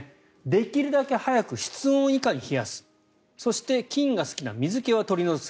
できるだけ早く室温以下に冷やすそして菌が好きな水気は取り除く。